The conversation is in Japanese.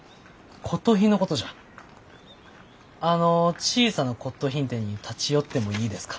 「あの小さな骨とう品店に立ち寄ってもいいですか？」。